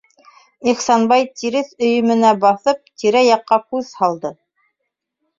Ихсанбай, тиреҫ өйөмөнә баҫып, тирә-яҡҡа күҙ һалды.